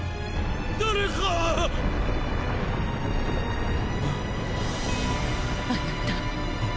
⁉誰か⁉あなた。